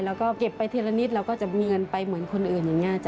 แล้วก็เก็บไปทีละนิดเราก็จะมีเงินไปเหมือนคนอื่นอย่างนี้